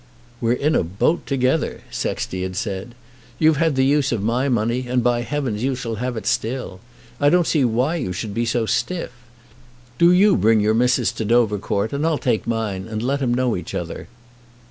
"We're in a boat together," Sexty had said. "You've had the use of my money, and by heavens you have it still. I don't see why you should be so stiff. Do you bring your missus to Dovercourt, and I'll take mine, and let 'em know each other."